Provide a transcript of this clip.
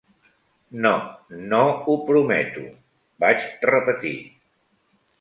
"No, no ho prometo", vaig repetir.